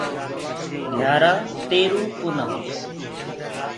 گھيآرآ تيروُ ڪونآ۔